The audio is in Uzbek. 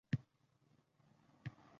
Shahobiddin Zoirovdan Abdumalik Halokovgacha